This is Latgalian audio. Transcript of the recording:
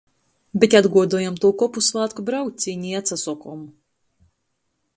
Bet atguodojam tū kopu svātku braucīni i atsasokom.